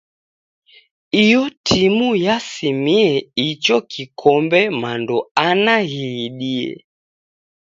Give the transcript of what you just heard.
Iyo timu yasimie icho kikombe mando ana ghiidie.